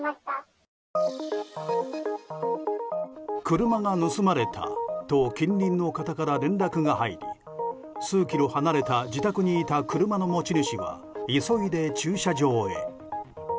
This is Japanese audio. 車が盗まれたと近隣の方から連絡が入り数キロ離れた自宅にいた車の持ち主は急いで駐車場へ。